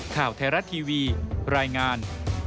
ข่าวไทยรัฐทีวีรายงาน